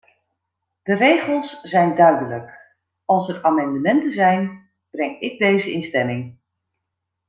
De regels zijn duidelijk: als er amendementen zijn, breng ik deze in stemming.